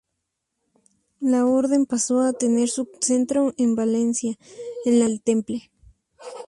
La Orden pasó a tener su centro en Valencia, en la casa del Temple.